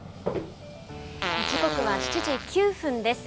時刻は７時９分です。